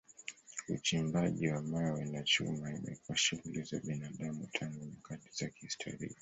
Uchimbaji wa mawe na chuma imekuwa shughuli za binadamu tangu nyakati za kihistoria.